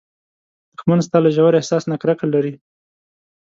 دښمن ستا له ژور احساس نه کرکه لري